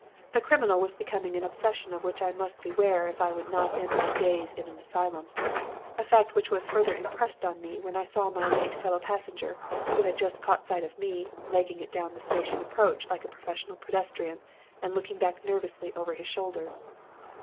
The criminal was becoming an obsession of which I must beware if I would not end my days in an asylum; a fact which was further impressed on me when I saw my late fellow passenger, who had just caught sight of me, 'legging it' down the station approach like a professional pedestrian and looking back nervously over his shoulder.